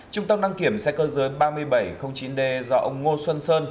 trung tâm đăng kiểm xe cơ giới ba nghìn bảy trăm linh chín d do ông ngô xuân sơn